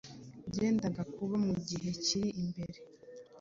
byendaga kuba mu gihe kiri imbere.